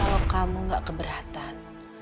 kalau kamu gak keberatan